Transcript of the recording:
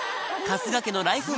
春日家のライフ